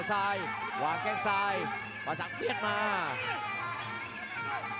จังหวาดึงซ้ายตายังดีอยู่ครับเพชรมงคล